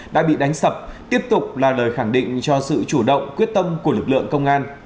đã bị đánh sập tiếp tục là lời khẳng định cho sự chủ động quyết tâm của lực lượng công an